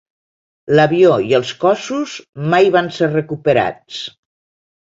L'avió i els cossos mai van ser recuperats.